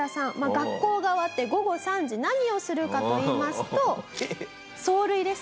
学校が終わって午後３時何をするかといいますと走塁です。